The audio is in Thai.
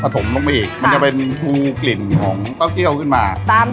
น้ำจิ้มไก่สูบร้านจีฟันนะคะ